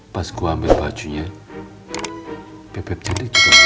pas gua ambil bajunya beb beb cantik juga ambilnya